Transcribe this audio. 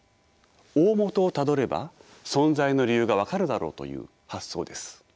大本をたどれば存在の理由が分かるだろうという発想です。